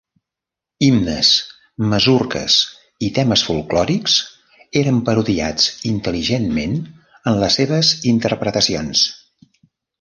Himnes, masurques i temes folklòrics eren parodiats intel·ligentment en les seves interpretacions.